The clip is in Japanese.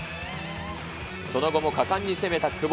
その後も果敢に攻めた久保。